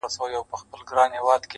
ژونده ټول غزل عزل ټپې ټپې سه,